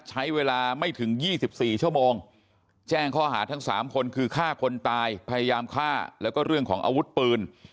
ใช้เวลาไม่ถึง๒๔ชั่วโมงแจ้งข้อหาทั้ง๓คนคือฆ่าคนตายพยายามฆ่าแล้วก็เรื่องของอาวุธปืน